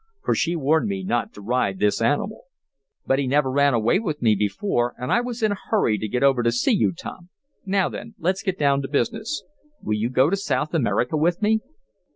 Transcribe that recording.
for she warned me not to ride this animal. "But he never ran away with me before, and I was in a hurry to get over to see you, Tom. Now then, let's get down to business. Will you go to South America with me?"